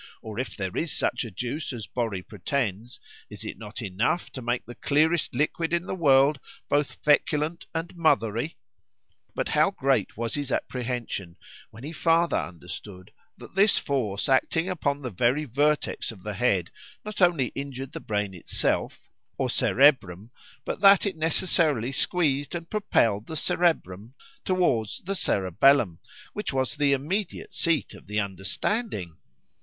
—Or if there is such a juice as Borri pretends—is it not enough to make the clearest liquid in the world both seculent and mothery? But how great was his apprehension, when he farther understood, that this force acting upon the very vertex of the head, not only injured the brain itself, or cerebrum,—but that it necessarily squeezed and propelled the cerebrum towards the cerebellum, which was the immediate seat of the understanding!